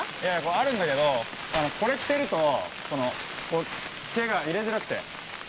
あるんだけどこれ着てると手が入れづらくて。